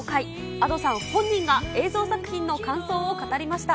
Ａｄｏさん本人が映像作品の感想を語りました。